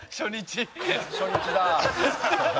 初日だ。